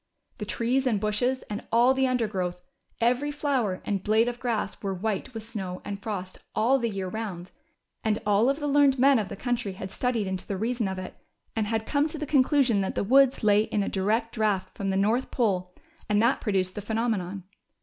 The trees and bushes, and all the undergrowth, every flower and blade of grass, were Avhite with snow and frost all the year round, and all the learned men of the country had studied into the reason of it, and had THE SILVER HEN. 263 come to the conclusion that the woods lay in a direct draught from the North Pole and that produced the phenomenon.